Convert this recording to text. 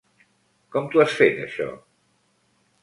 Com t'ho has fet, això?